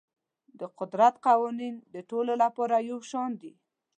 د قدرت قوانین د ټولو لپاره یو شان دي.